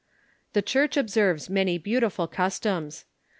The Church observes many beauti ful customs.